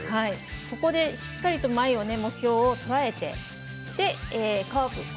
ここでしっかりと前を目標を捉えてカーブ